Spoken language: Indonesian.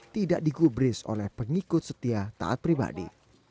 tidak digubris oleh pengikut setia taat pribadi